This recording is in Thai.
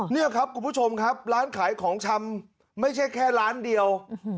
นี่ครับคุณผู้ชมครับร้านขายของชำไม่ใช่แค่ร้านเดียว